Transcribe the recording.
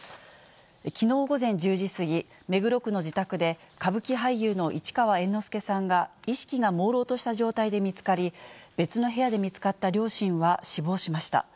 きのう午前１０時過ぎ、目黒区の自宅で、歌舞伎俳優の市川猿之助さんが意識がもうろうとした状態で見つかり、別の部屋で見つかった両親は死亡しました。